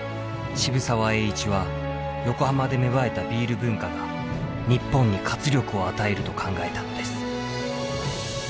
渋沢栄一は横浜で芽生えたビール文化が日本に活力を与えると考えたのです。